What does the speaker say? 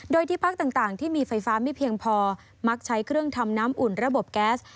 โดยที่พักต่างที่มีไฟฟ้าไม่เพียงพอมักใช้เครื่องทำน้ำอุ่นระบบแก๊ส